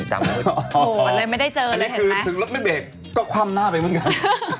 โหฮันนี้คือถึงรถไม่เบรกก็ค่ำหน้าไปเหมือนกัน